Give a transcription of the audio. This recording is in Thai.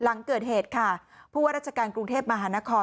หลังเกิดเหตุค่ะผู้ว่าราชการกรุงเทพมหานคร